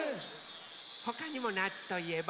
ほかにもなつといえば？